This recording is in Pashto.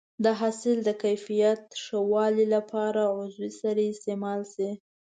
د حاصل د کیفیت ښه والي لپاره عضوي سرې استعمال شي.